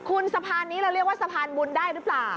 คุณสะพานนี้เราเรียกว่าสะพานบุญได้หรือเปล่า